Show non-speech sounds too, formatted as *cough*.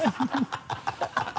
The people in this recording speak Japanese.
ハハハ *laughs*